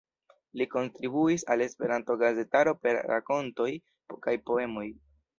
Li kontribuis al Esperanto-gazetaro per rakontoj kaj poemoj.